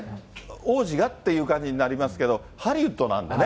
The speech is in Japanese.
王子が？って感じになりますけど、ハリウッドなんでね。